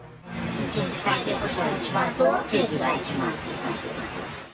１日最低保証の１万と、経費が１万っていう感じです。